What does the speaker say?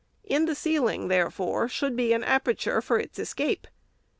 In the ceiling, therefore, should be an aperture for its escape.